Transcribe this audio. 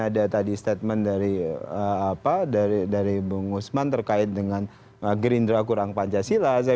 ada tadi statement dari apa dari dari bung usman terkait dengan green drakurang pancasila saya